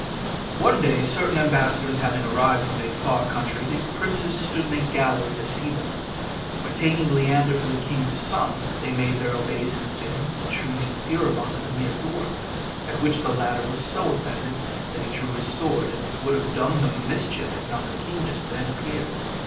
One day, certain ambassadors having arrived from a far country, the princes stood in a gallery to see them; when, taking Leander for the king's son, they made their obeisance to him, treating Furibon as a mere dwarf, at which the latter was so offended that he drew his sword, and would have done them a mischief had not the king just then appeared.